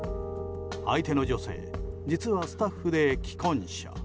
相手の女性、実はスタッフで既婚者。